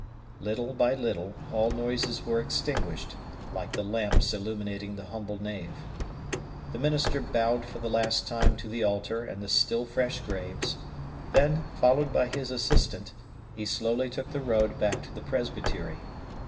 Little by little, all noises were extinguished, like the lamps illuminating the humble nave. The minister bowed for the last time to the altar and the still fresh graves; then, followed by his assistant, he slowly took the road back to the presbytery.